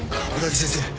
鏑木先生。